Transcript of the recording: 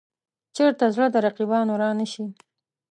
چېرته زړه د رقیبانو را نه شي.